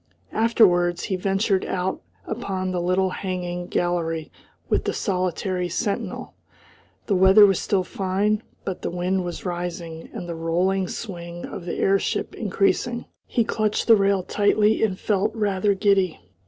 Afterwards he ventured out upon the little hanging gallery with the solitary sentinel. The weather was still fine, but the wind was rising and the rolling swing of the airship increasing. He clutched the rail tightly and felt rather giddy.